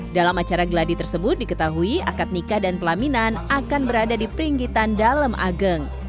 dalam acara geladi tersebut diketahui akad nikah dan pelaminan akan berada di peringgitan dalem ageng